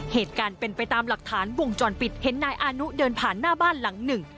เหตุการณ์เป็นไปตามหลักฐานวงจรปิดเห็นนายอานุเดินผ่านหน้าบ้านหลังหนึ่ง